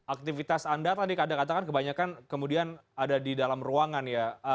aktivitas anda tadi katakan kebanyakan kemudian ada di dalam ruangan ya